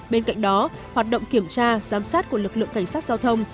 bên cạnh đó hoạt động kiểm tra giám sát của lực lượng cảnh sát giao thông